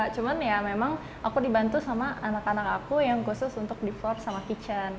cuman ya memang aku dibantu sama anak anak aku yang khusus untuk di forbes sama kitchen